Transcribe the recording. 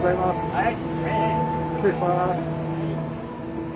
はい。